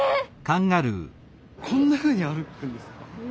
こんなふうに歩くんですか？